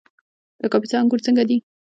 د کاپیسا انګور څنګه دي؟